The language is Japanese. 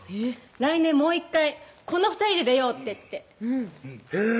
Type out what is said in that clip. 「来年もう１回この２人で出よう」って言ってへぇ！